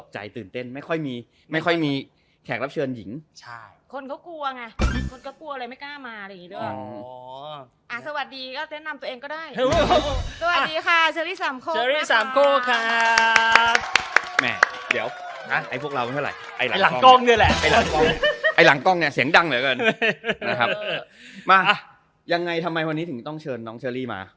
จับยามสามแต้มตรวจดวงชะตาทีมรักให้หมอดูทักก่อนลงเตะ